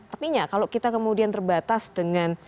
artinya kalau kita kemudian terbatas dengan